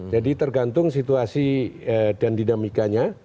jadi tergantung situasi dan dinamikanya